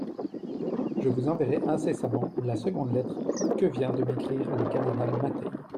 Je vous enverrai incessamment la seconde lettre que vient de m'écrire le cardinal Mattei.